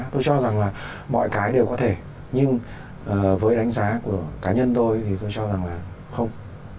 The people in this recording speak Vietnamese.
tôi cho rằng là mọi cái đều có thể nhưng với đánh giá của cá nhân tôi thì tôi cho rằng là không